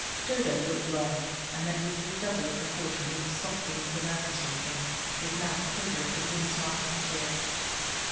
Dodo looked long, and then with redoubled precaution moved softly into the nurse's room again, with mouth quivering between smiles and tears.